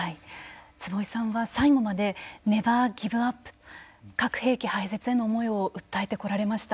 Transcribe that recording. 坪井さんは最後までネバーギブアップ核兵器廃絶への思いを訴えてこられました。